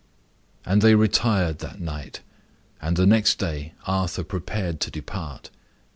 And they retired that night, and the next day Arthur prepared to depart.